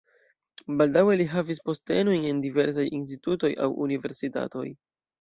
Baldaŭe li havis postenojn en diversaj institutoj aŭ universitatoj.